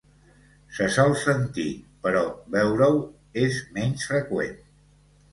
Se sol sentir, però veure-ho és menys freqüent.